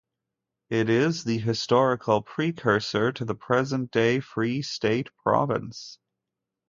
It is the historical precursor to the present-day Free State province.